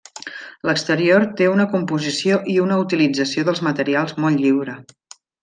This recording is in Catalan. L'exterior té una composició i una utilització dels materials molt lliure.